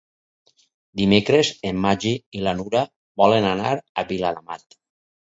Dimecres en Magí i na Nura volen anar a Viladamat.